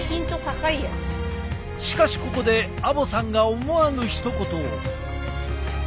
しかしここで阿保さんが思わぬひと言を。